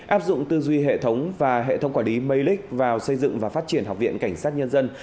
áp dụng tư duy hệ thống và hệ thống quản lý malik vào xây dựng và phát triển học viện cảnh sát nhân dân